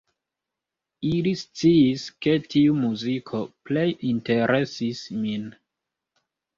Ili sciis, ke tiu muziko plej interesis min.